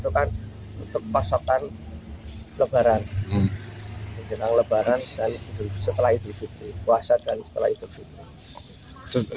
itu kan untuk pasokan lebaran jenang lebaran dan setelah itu puasa dan setelah itu puasa